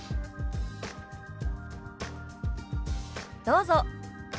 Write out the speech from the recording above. どうぞ。